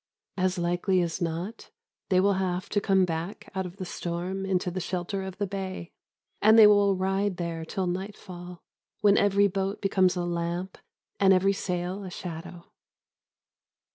As likely as not they will have to come back out of the storm into the shelter of the bay, and they will ride there till nightfall, when every boat becomes a lamp and every sail a shadow.